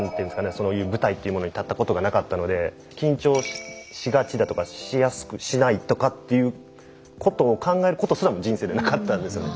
そういう舞台っていうものに立ったことがなかったので緊張しがちだとかしないとかっていうことを考えることすらも人生でなかったんですよね。